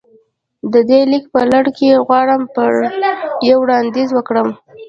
د دې ليک په لړ کې غواړم يو وړانديز وکړم.